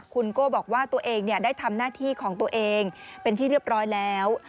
คุณโก้บอกว่าตัวเองได้ทำหน้าที่ของตัวเองเป็นที่เรียบร้อยแล้ว